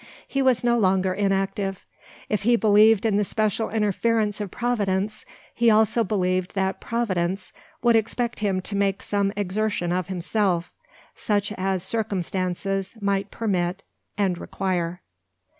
He was no longer inactive. If he believed in the special Interference of Providence, he also believed that Providence would expect him to make some exertion of himself, such as circumstances might permit and require.